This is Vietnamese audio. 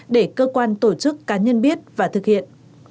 để cơ quan tổ chức cá nhân biết và thực hiện